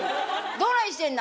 どないしてんな？」。